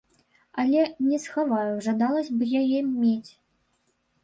Але, не схаваю, жадалася б яе мець.